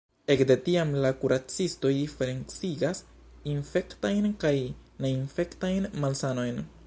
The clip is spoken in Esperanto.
Ekde tiam la kuracistoj diferencigas infektajn kaj neinfektajn malsanojn.